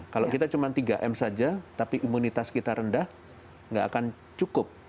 kalau kita cuma tiga m saja tapi imunitas kita rendah nggak akan cukup